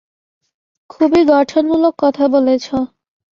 খুবই গঠনমূলক কথা বলেছো।